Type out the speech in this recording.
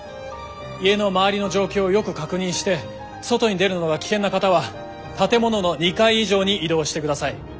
家の周りの状況をよく確認して外に出るのが危険な方は建物の２階以上に移動してください。